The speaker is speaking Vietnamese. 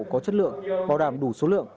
có chất lượng bảo đảm đủ số lượng